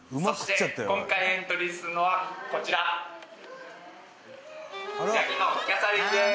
今回エントリーするのはこちらです